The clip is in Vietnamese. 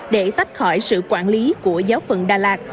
để tách khỏi sự quản lý của giáo phận đà lạt